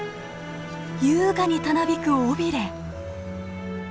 優雅にたなびく尾ビレ。